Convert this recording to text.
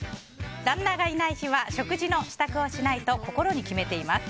旦那がいない日は食事の支度をしないと心に決めています。